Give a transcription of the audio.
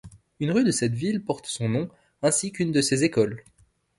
Une rue de cette ville porte son nom ainsi qu'une de ses écoles.